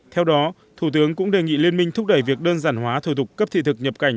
theo đó thủ tướng cũng đề nghị liên minh thúc đẩy việc đơn giản hóa thủ tục cấp thị thực nhập cảnh